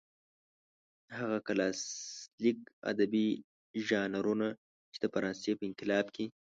هغه کلاسلیک ادبي ژانرونه چې د فرانسې په انقلاب کې.